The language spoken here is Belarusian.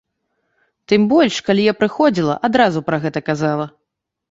Тым больш, калі я прыходзіла, адразу пра гэта казала.